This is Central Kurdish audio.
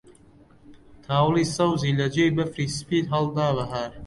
تاوڵی سەوزی لە جێی بەفری سپی هەڵدا بەهار